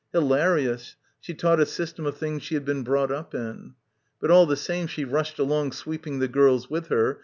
. hilarious, ... she taught a system of things she had been brought up in. But all the same, she rushed along sweeping the girls with her